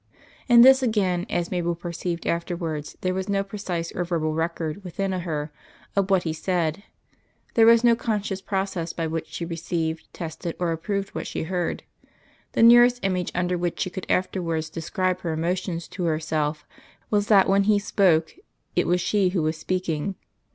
In this again, as Mabel perceived afterwards, there was no precise or verbal record within her of what he said; there was no conscious process by which she received, tested, or approved what she heard. The nearest image under which she could afterwards describe her emotions to herself, was that when He spoke it was she who was speaking.